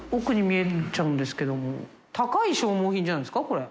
これ。